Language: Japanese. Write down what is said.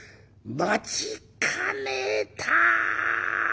待ちかねた」。